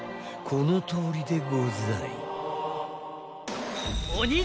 ［このとおりでござい］